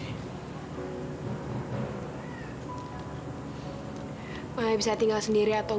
saya bisa tinggal sendiri atau